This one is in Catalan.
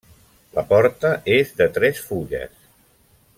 La porta és de tres fulles.